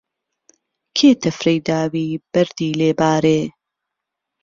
کێ تهفرهی داوی بهردی لێ بارێ